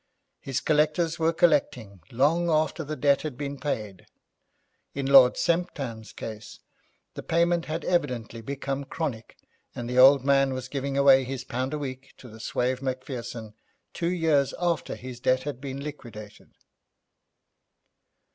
His collectors were collecting long after the debt had been paid. In Lord Semptam's case, the payment had evidently become chronic, and the old man was giving away his pound a week to the suave Macpherson two years after his debt had been liquidated.